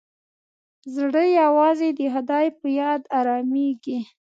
زړه یوازې د خدای په یاد ارامېږي.